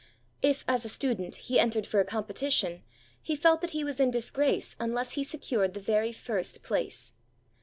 If, as a student, he entered for a competition, he felt that he was in disgrace unless he secured the very first place.